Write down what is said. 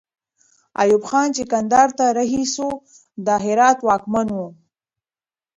ایوب خان چې کندهار ته رهي سو، د هرات واکمن وو.